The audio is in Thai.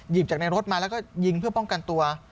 จากในรถมาแล้วก็ยิงเพื่อป้องกันตัว